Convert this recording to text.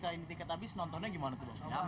ya mungkin di nopar aja nonton bareng